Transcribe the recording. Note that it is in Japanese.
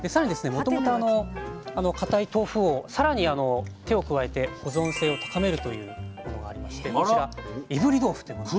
もともと固い豆腐をさらに手を加えて保存性を高めるというものがありましてこちらいぶり豆腐というものが。